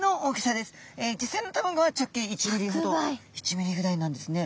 実際の卵は直径１ｍｍほど１ｍｍぐらいなんですね。